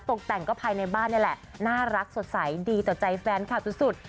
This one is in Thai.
ตกแต่งก็ภายในบ้านนี่แหละน่ารักสดใสดีต่อใจแฟนคลับสุด